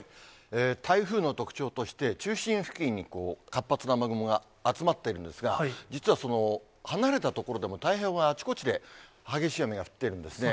台風の特徴として、中心付近に活発な雨雲が集まっているんですが、実はその離れた所でも太平洋側、あちこちで激しい雨が降っているんですね。